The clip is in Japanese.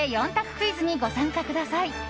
クイズにご参加ください。